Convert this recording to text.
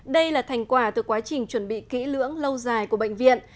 đây là thành quả từ quá trình chuẩn bị kỹ lưỡng lâu dài của bệnh viện